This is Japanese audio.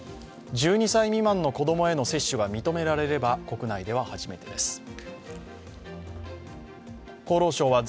１２歳未満の子供への接種が認められれば、国内では初めてです。